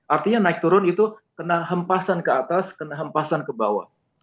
artinya naik turun itu kena hempasan ke atas kena hempasan ke bawah